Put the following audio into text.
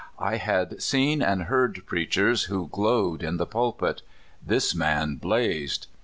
I had seen and heard preachers who glowed in the pul pit this man burned.